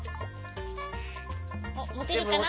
おっもてるかな？